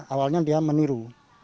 awalnya dia meniru